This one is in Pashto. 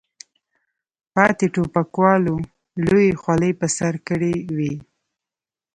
پاتې ټوپکوالو لویې خولۍ په سر کړې وې.